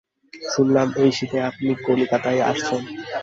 শুনলাম এই শীতে আপনি কলিকাতায় আসছেন।